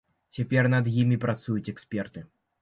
Цяпер над імі працуюць эксперты.